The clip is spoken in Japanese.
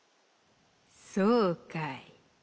「そうかい。